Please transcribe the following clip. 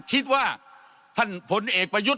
คิดว่าท่านผลเอกประยุทธ์